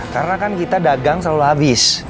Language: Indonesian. karena kan kita dagang selalu habis